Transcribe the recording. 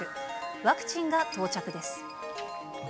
ワクチンが到着です。